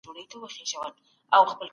د پلان جوړوني ګټي څه دي؟